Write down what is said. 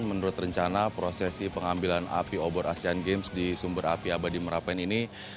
menurut rencana prosesi pengambilan api obor asian games di sumber api abadi merapen ini